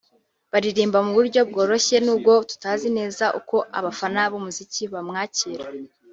baririmba mu buryo buryoshye nubwo tutazi neza uko abafana b’umuziki bamwakira